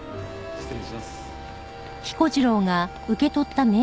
失礼します。